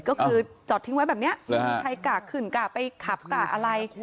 คือจอดทิ้งไว้แบบเนี่ยไม่มีใครกากขึ้นกากไปขับกากอะไร